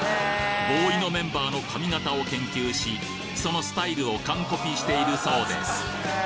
ＢＯＷＹのメンバーの髪形を研究しそのスタイルを完コピしているそうです